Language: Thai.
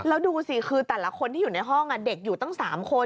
แล้วดูสิคือแต่ละคนที่อยู่ในห้องเด็กอยู่ตั้ง๓คน